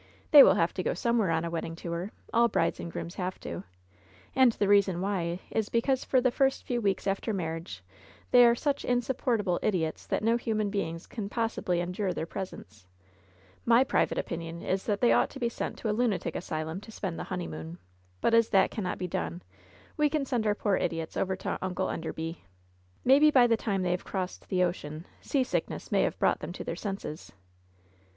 "They will have to go somewhere on a wedding tour — all brides and grooms have to — ^and the* BO LOVE'S BITTEREST CUP reason why is because for the first few weeks after mar riage they are such insupportable idiots that no human beings can possibly endure their presence. My private opinion is that they ought to be sent to a lunatic asylum to spend the honeymoon; but as that cannot be done, we can send our poor idiots over to Uncle Enderby. Maybe by the time they have crossed the ocean seasick ness may have brought them to their senses."